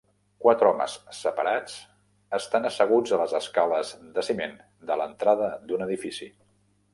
Quatre homes separats estan asseguts a les escales de ciment de l'entrada d'un edifici.